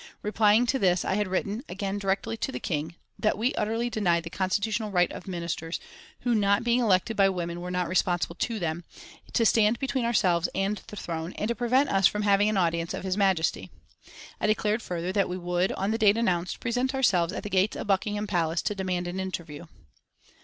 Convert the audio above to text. Replying to this I had written, again directly to the King, that we utterly denied the constitutional right of Ministers, who not being elected by women were not responsible to them, to stand between ourselves and the Throne, and to prevent us from having an audience of His Majesty. I declared further that we would, on the date announced, present ourselves at the gates of Buckingham Palace to demand an interview.